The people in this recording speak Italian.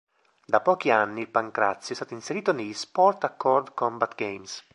Da pochi anni il Pancrazio è stato inserito negli Sport Accord Combat Games.